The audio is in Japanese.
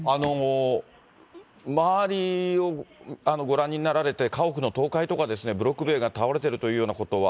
周りをご覧になられて家屋の倒壊とか、ブロック塀が倒れてるようなことは？